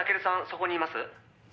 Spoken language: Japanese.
そこにいます？」